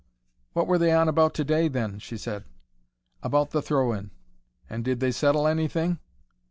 "What were they on about today, then?" she said. "About the throw in." "And did they settle anything?"